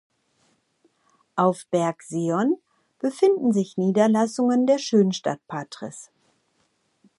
Auf "Berg Sion" befinden sich Niederlassungen der Schönstatt-Patres.